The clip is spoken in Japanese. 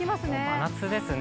真夏ですね。